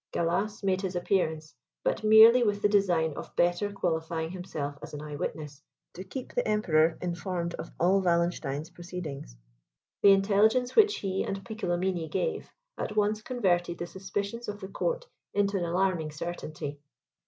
Gallas made his appearance, but merely with the design of better qualifying himself as an eyewitness, to keep the Emperor informed of all Wallenstein's proceedings. The intelligence which he and Piccolomini gave, at once converted the suspicions of the court into an alarming certainty.